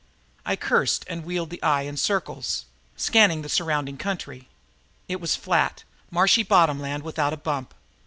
I cursed and wheeled the eye in circles, scanning the surrounding country. It was flat, marshy bottom land without a bump.